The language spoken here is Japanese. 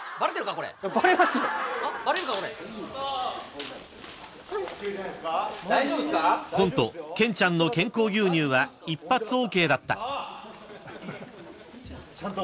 これ」［コント「ケンちゃんの健康牛乳」は一発ＯＫだった］